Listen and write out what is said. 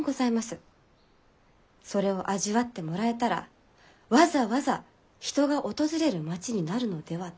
それを味わってもらえたらわざわざ人が訪れる町になるのではと。